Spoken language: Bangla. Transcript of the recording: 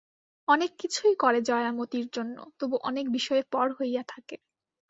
অনেক কিছুই করে জয়া মতির জন্য, তবু অনেক বিষয়ে পর হইয়া থাকে।